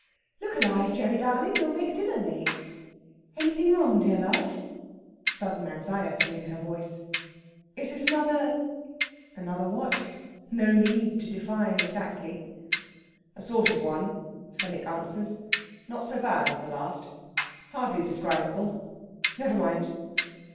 "Look alive, Gerry darling! you'll make dinner late.... Anything wrong, dear love?" Sudden anxiety in her voice. "Is it another...?" Another what? No need to define, exactly! "A sort of one," Fenwick answers. "Not so bad as the last. Hardly describable! Never mind."